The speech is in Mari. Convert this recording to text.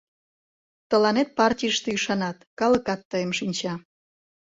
Тыланет партийыште ӱшанат, калыкат тыйым шинча.